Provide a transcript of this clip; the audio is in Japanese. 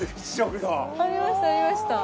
ありましたありました。